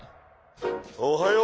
おはよう。